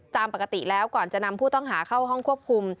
ตามปกติแล้วก่อนจะนำผู้ต้องหาเข้าห้องควบคุม